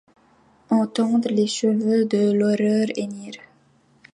Entendre les chevaux de l'aurore hennir.